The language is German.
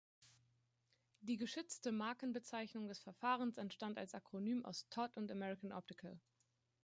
Die geschützte Markenbezeichnung des Verfahrens entstand als Akronym aus Todd und American Optical.